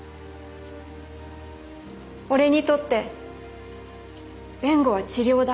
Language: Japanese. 「俺にとって弁護は治療だ。